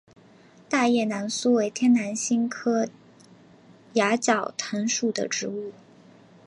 大叶南苏为天南星科崖角藤属的植物。